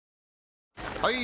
・はい！